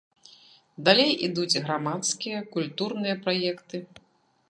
Далей ідуць грамадскія, культурныя праекты.